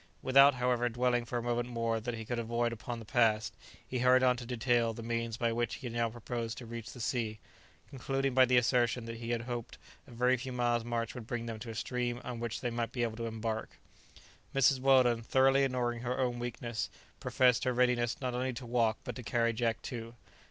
Without, however, dwelling for a moment more than he could avoid upon the past, he hurried on to detail the means by which he now proposed to reach the sea, concluding by the assertion that he hoped a very few miles' march would bring them to a stream on which they might be able to embark. Mrs. Weldon, thoroughly ignoring her own weakness, professed her readiness not only to walk, but to carry Jack too.